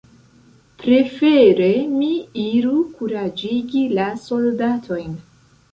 Prefere mi iru kuraĝigi la soldatojn.